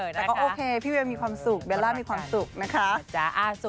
แต่ก็โอเคพี่เวลมีความสุขเบลล่ามีความสุขนะคะ